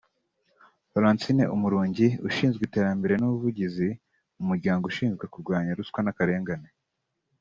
Francine Umurungi ushinzwe iterambere n’ubuvugizi mu muryango ushinzwe kurwanya ruswa n’akarengane